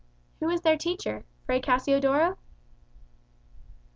"Who was their teacher? Fray Cassiodoro?"